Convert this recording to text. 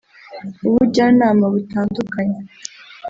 ubujyanama butandukanye